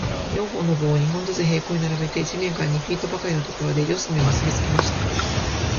四本の棒を、二本ずつ平行に並べて、地面から二フィートばかりのところで、四隅を結びつけました。